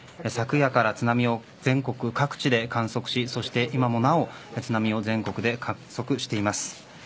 昨夜から津波を全国各地で観測し今もなお津波を全国で観測しています。